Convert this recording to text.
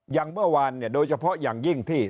อย่างเมื่อวานเนี่ยโดยเฉพาะอย่างยิ่งที่